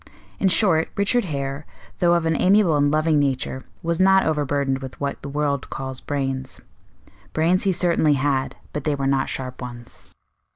In short, Richard Hare, though of an amiable and loving nature, was not over burdened with what the world calls brains. Brains he certainly had, but they were not sharp ones.